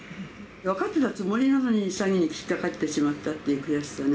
分かってたつもりなのに、詐欺に引っ掛かってしまったという悔しさね。